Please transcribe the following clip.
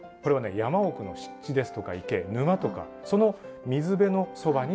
山奥の湿地ですとか池沼とかその水辺のそばに生息地があるんですね。